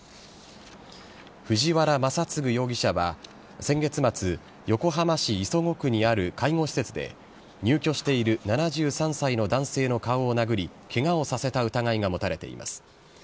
藤原雅嗣容疑者は先月末、横浜市磯子区にある介護施設で、入居している７３歳の男性の顔を殴り、けがをさせた疑いが持たれています。